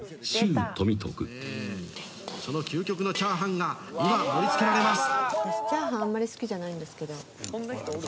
「その究極のチャーハンが今盛り付けられます」